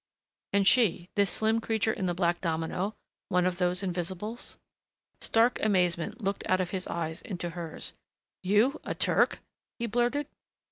And she this slim creature in the black domino one of those invisibles? Stark amazement looked out of his eyes into hers. "You a Turk?" he blurted.